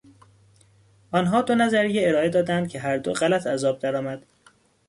آنها دو نظریه ارائه دادند که هر دو غلط از آب درآمد.